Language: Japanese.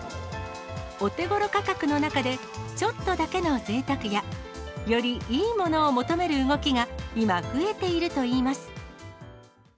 お手ごろ価格の中で、ちょっとだけのぜいたくや、よりいいものを求める動きが今、増えているといいます。